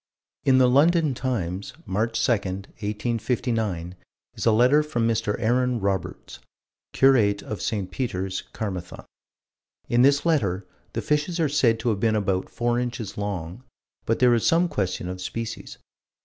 In the London Times, March 2, 1859, is a letter from Mr. Aaron Roberts, curate of St. Peter's, Carmathon. In this letter the fishes are said to have been about four inches long, but there is some question of species.